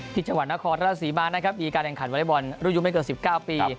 ที่จังหวัดนครราชสีบ้านนะครับดีการแด่งขันวัลย์บอลรุ่นยุ่งไม่เกิน๑๙ปี